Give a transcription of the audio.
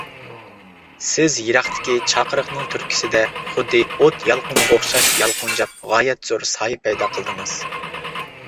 سىز يىراقتىكى چاقىرىقنىڭ تۈرتكىسىدە، خۇددى ئوت يالقۇنىغا ئوخشاش يالقۇنجاپ، غايەت زور سايە پەيدا قىلدىڭىز.